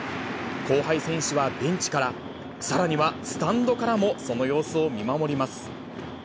後輩選手はベンチから、さらにはスタンドからもその様子を見守ります。